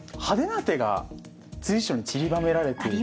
派手な手が随所にちりばめられて。